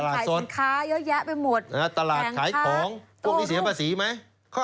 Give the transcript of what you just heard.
ขายสินค้าเยอะแยะไปหมด